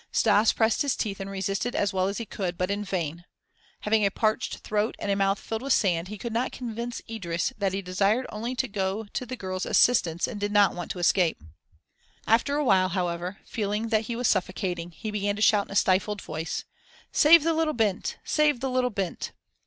Stas pressed his teeth and resisted as well as he could, but in vain. Having a parched throat and a mouth filled with sand he could not convince Idris that he desired only to go to the girl's assistance and did not want to escape. After a while, however, feeling that he was suffocating, he began to shout in a stifled voice: "Save the little 'bint'! Save the little 'bint'!"